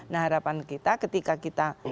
nah harapan kita ketika kita